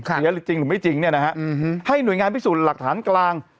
เสียจริงหรือไม่จริงให้หน่วยงานพิสูจน์หลักฐานกลาง